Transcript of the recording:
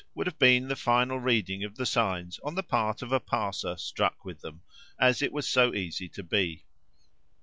would have been the final reading of the signs on the part of a passer struck with them, as it was so easy to be.